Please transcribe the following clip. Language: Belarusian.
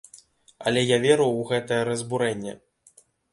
Але я веру ў гэтае разбурэнне!